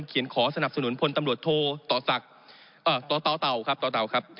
เขียนขอสนับสนุนพลตำรวจโทต่อเต่าครับ